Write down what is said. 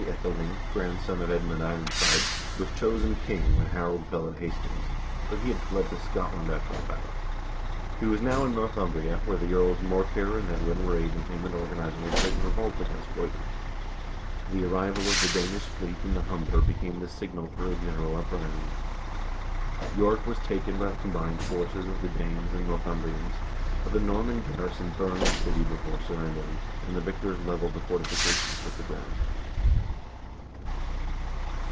Eth cling, grandson of Edmund Ironside, was chosen king when Harold fell at Hastings, but he had fled to Scotland after the battle. He was now in Northunibria, where the earls Mor kere and Edwin were aiding him in organizing a great revolt against William. The arrival of the Danish fleet in the Humber became the signal for a general uprising. York was taken by the combined forces of Danes and Northumbrians, but the Norman garrison burned the city before surrendering, and the victors leveled the forti fications with the ground.